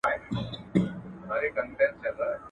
پر انګړ يې د پاتا كمبلي ژاړي.